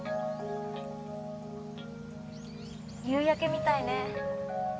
夕焼けみたいね？